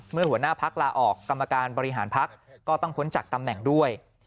หัวหน้าพักลาออกกรรมการบริหารพักก็ต้องพ้นจากตำแหน่งด้วย